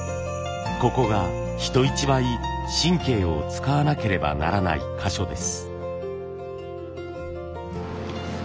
ここが人一倍神経を使わなければならない箇所です。